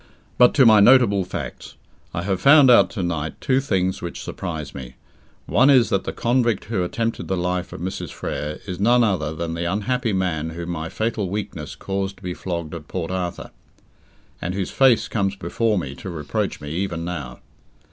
But to my notable facts. I have found out to night two things which surprise me. One is that the convict who attempted the life of Mrs. Frere is none other than the unhappy man whom my fatal weakness caused to be flogged at Port Arthur, and whose face comes before me to reproach me even now.